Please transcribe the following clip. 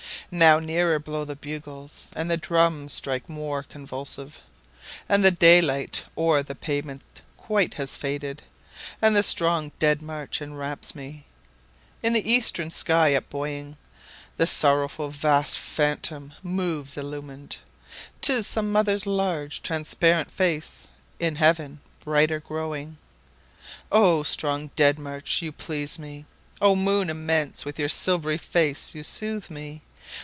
6Now nearer blow the bugles, And the drums strike more convulsive; And the day light o'er the pavement quite has faded, And the strong dead march enwraps me.7In the eastern sky up buoying, The sorrowful vast phantom moves illumin'd;('Tis some mother's large, transparent face, In heaven brighter growing.)8O strong dead march, you please me!O moon immense, with your silvery face you soothe me!